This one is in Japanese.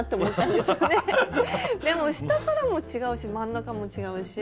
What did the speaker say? でも下からも違うし真ん中も違うし。